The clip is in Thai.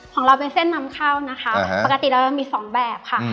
ของเราเป็นเส้นนำข้าวนะคะอ่าฮะปกติเรามีสองแบบค่ะอืม